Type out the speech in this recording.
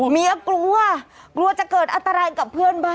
กลัวกลัวจะเกิดอันตรายกับเพื่อนบ้าน